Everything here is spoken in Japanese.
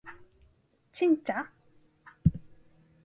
ちんちゃ？